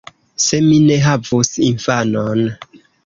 Se mi ne havus infanon!